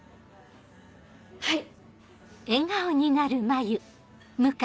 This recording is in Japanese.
はい！